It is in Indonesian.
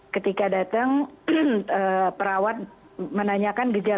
ketika datang perawat menanyakan gejala tiga hari